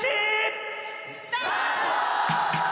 スタート！